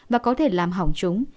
và có thể làm hỏng chúng